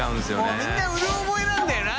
もうみんなうろ覚えなんだよな。